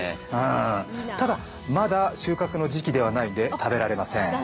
ただまだ収穫の時期ではないので食べられません。